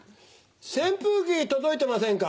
扇風機届いてませんか？